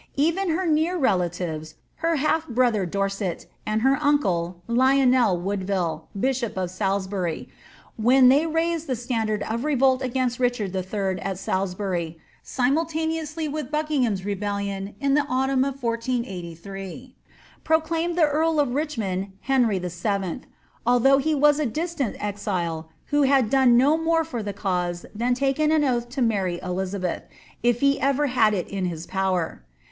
Even her near relatives, her half brother Dorset, and her uncle, Lionel Woodville, bishop of Salisbury, when they raised the standard of revolt against Richard III. at Salisbury (simultaneously with Buckingham's rebellion in the autumn of 1483), proclaimed the earl Richmond Henry VII., although he was a distant exile, who had done no mora for the cause than taken an oath to nuury Elizabeth, if he ever had it m his power.